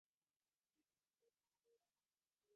তাহার মা কাঁদিতে লাগিলেন।